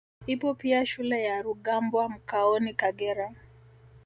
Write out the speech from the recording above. Ipo pia shule ya Rugambwa mkaoni Kagera